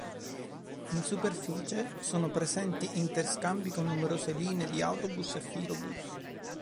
In superficie sono presenti interscambi con numerose linee di autobus e filobus.